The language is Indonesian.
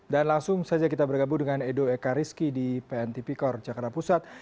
dan langsung saja kita bergabung dengan edo ekariski di pntp kor jakarta pusat